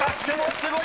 すごーい！